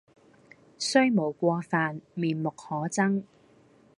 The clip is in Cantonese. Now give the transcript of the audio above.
雖無過犯，面目可憎